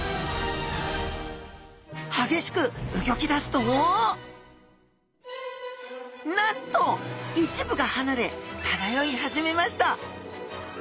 激しくうギョき出すとなんと一部がはなれ漂い始めました！